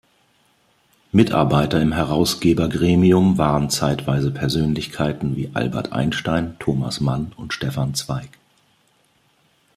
Mitarbeiter im Herausgebergremium waren zeitweise Persönlichkeiten wie Albert Einstein, Thomas Mann und Stefan Zweig.